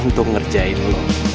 untuk ngerjain lo